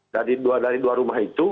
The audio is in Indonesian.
dari dua rumah itu